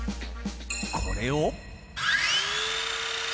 これを。